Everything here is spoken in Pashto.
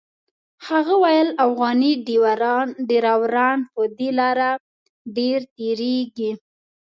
هغه ویل افغاني ډریوران په دې لاره ډېر تېرېږي.